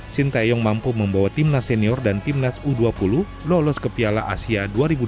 sintayong mampu membawa timnas senior dan timnas u dua puluh lolos ke piala asia dua ribu dua puluh